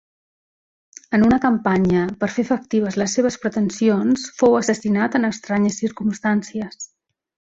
En una campanya per fer efectives les seves pretensions, fou assassinat en estranyes circumstàncies.